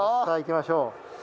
さあいきましょう。